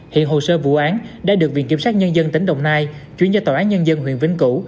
hiện hồ sơ vụ án đã được viện kiểm sát nhân dân tỉnh đồng nai chuyển cho tòa án nhân dân huyện vĩnh cửu